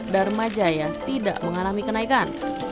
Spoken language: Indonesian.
dharma jaya tidak mengalami kenaikan